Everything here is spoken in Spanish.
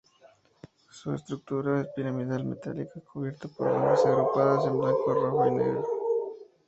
Su estructura es piramidal metálica cubierta por bandas agrupadas en blanco rojo y blanco.